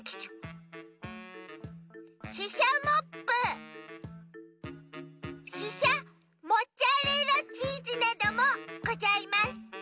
ししゃモップししゃモッツァレラチーズなどもございます。